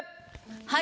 はい。